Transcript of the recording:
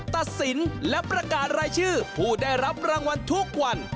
ตัดสินและประกาศรายชื่อผู้ได้รับรางวัลทุกวัน